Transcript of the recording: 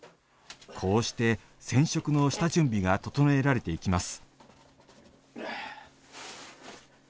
こうして染色の下準備が整えられていきます。